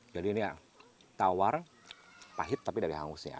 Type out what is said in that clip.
jadi ini yang tawar pahit tapi dari hangusnya